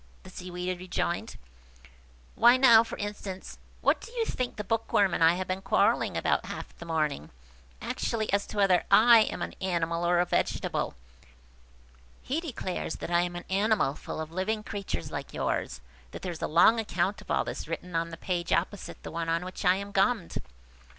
the Seaweed rejoined. "Why now, for instance, what do you think the Bookworm and I have been quarrelling about half the morning? Actually as to whether I am an animal or a vegetable. He declares that I am an animal full of little living creatures like yours, and that there is a long account of all this written on the page opposite the one on which I am gummed!"